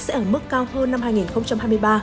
sẽ ở mức cao hơn năm hai nghìn hai mươi ba